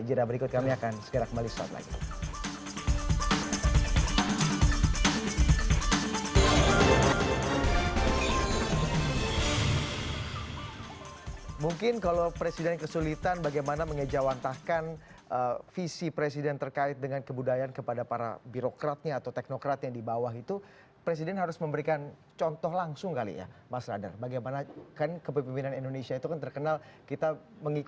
jadah berikut kami akan segera kembali suatu saat lagi